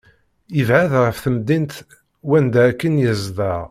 Yebεed ɣef temdint wanda akken yezdeɣ.